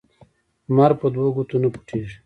لمر په دوو ګوتو نه پټیږي